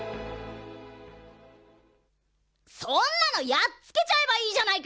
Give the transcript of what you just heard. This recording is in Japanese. そんなのやっつけちゃえばいいじゃないか！